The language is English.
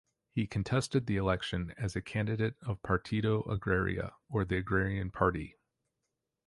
He contested the election as a candidate of "Partido Agraria", or the Agrarian Party.